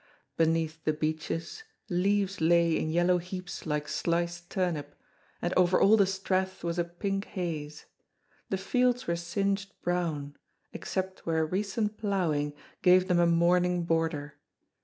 Beneath the beeches leaves lay in yellow heaps like sliced turnip, and over all the strath was a pink haze; the fields were singed brown, except where a recent ploughing gave them a mourning border.